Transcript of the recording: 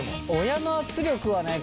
親の圧力はね